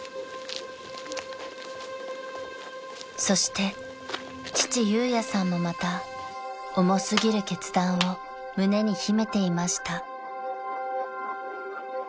［そして父裕也さんもまた重過ぎる決断を胸に秘めていました］